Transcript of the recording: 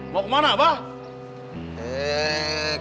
mau ke mana pak